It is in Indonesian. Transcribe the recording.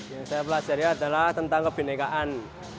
yang saya pelajari adalah tentang kebenekaan